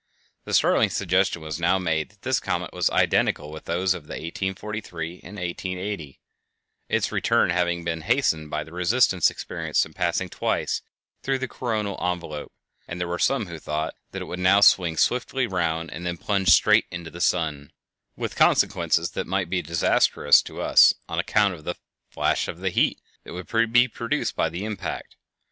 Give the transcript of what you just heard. _ The startling suggestion was now made that this comet was identical with those of 1843 and 1880, its return having been hastened by the resistance experienced in passing twice through the coronal envelope, and there were some who thought that it would now swing swiftly round and then plunge straight into the sun, with consequences that might be disastrous to us on account of the "flash of heat" that would be produced by the impact.